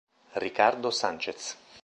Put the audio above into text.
Ricardo Sánchez